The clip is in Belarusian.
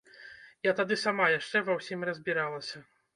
Я тады сама яшчэ ва ўсім разбіралася.